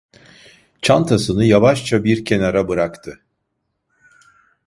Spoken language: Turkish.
Çantasını yavaşça bir kenara bıraktı.